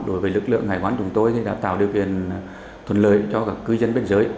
đối với lực lượng hải quan chúng tôi thì đã tạo điều kiện thuận lợi cho các cư dân biên giới